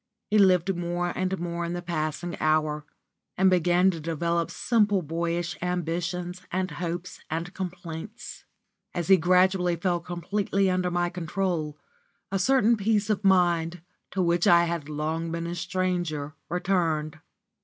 He lived more and more in the passing hour, and began to develop simple boyish ambitions and hopes and complaints. As he gradually fell completely under my control, a certain peace of mind, to which I had long been a stranger, returned.